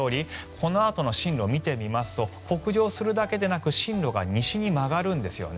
このあとの進路を見てみますと北上するだけでなく進路が西に曲がるんですね。